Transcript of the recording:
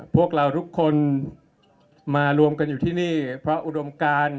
พวกเราทุกคนมารวมกันอยู่ที่นี่เพราะอุดมการ